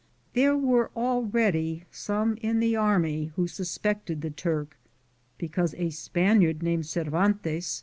There were already some in the army who suspected the Turk, because a Spaniard named Servantes, 1 1 Or Cervantes.